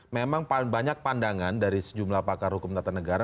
memang banyak pandangan dari sejumlah pakar hukum tata negara